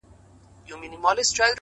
• زما ياران اوس په دې شكل سـوله؛